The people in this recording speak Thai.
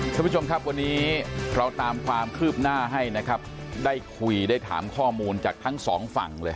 ท่านผู้ชมครับวันนี้เราตามความคืบหน้าให้นะครับได้คุยได้ถามข้อมูลจากทั้งสองฝั่งเลย